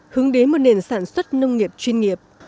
hướng đến một nền sản xuất nông nghiệp chuyên nghiệp